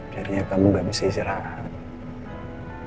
jadinya kamu gak bisa istirahat